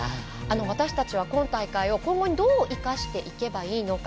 私たちは今大会を今後にどう生かしていけばいいのか。